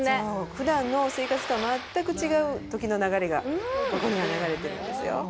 普段の生活とは全く違う時の流れがここには流れているんですよ。